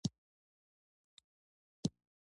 يو سل او يو يو سل او دوه